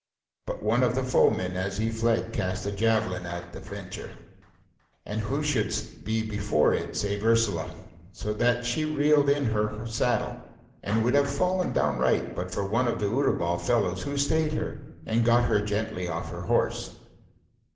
But one of the foemen as he fled cast a javelin at a venture, and who should be before it save Ursula, so that she reeled in her saddle, and would have fallen downright but for one of the Utterbol fellows who stayed her, and got her gently off her horse.